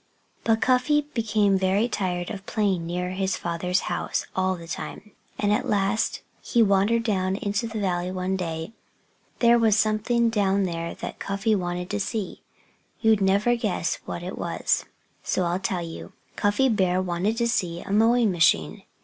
But Cuffy became very tired of playing near his father's house all the time. And at last he wandered down into the valley one day. There was something down there that Cuffy wanted to see. You'd never guess what it was; so I'll tell you. Cuffy Bear wanted to see a mowing machine.